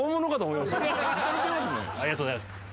ありがとうございます。